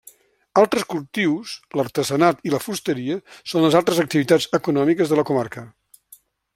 Altres cultius, l'artesanat i la fusteria són les altres activitats econòmiques de la comarca.